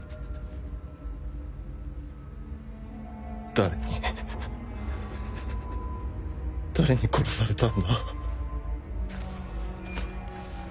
誰に誰に殺されたんだ？